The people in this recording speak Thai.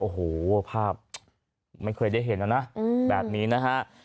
โอ้โหภาพไม่เคยได้เห็นนะนะแบบนี้นะฮะ